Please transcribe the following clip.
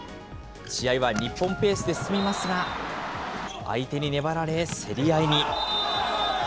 試合は日本ペースで進みますが、相手に粘られ競り合いに。